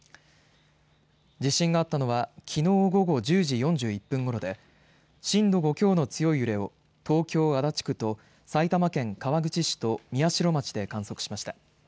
地震があったのはきのう午後１０時４１分ごろで震度５強の強い揺れを東京足立区と埼玉県川口市と宮代町で観測しました。